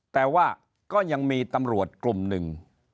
แต่ว่าก็ยังมีตำรวจกลุ่มหนึ่ง